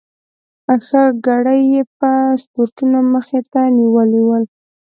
ښه ګړی یې پاسپورټونه مخې ته نیولي ول.